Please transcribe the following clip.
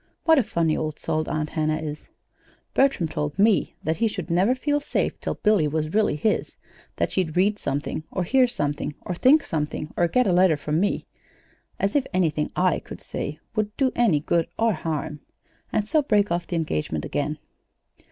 (What a funny old soul Aunt Hannah is!) Bertram told me that he should never feel safe till Billy was really his; that she'd read something, or hear something, or think something, or get a letter from me (as if anything I could say would do any good or harm!), and so break the engagement again.